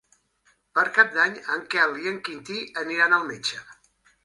Per Cap d'Any en Quel i en Quintí aniran al metge.